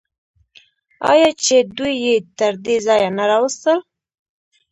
آیا چې دوی یې تر دې ځایه نه راوستل؟